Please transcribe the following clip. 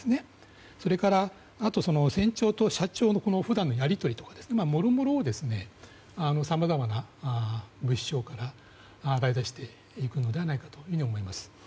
それから、船長と社長の普段のやり取りとかですね。もろもろをさまざまな物証から洗い出していくのではと思います。